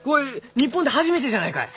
日本で初めてじゃないかえ？